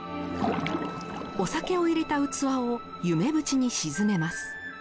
お酒を入れた器を夢淵に沈めます。